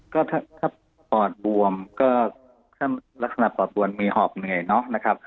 ก็ถ้าปอดบวมก็ถ้าลักษณะปอดบวมมีหอบเหนื่อยเนาะนะครับ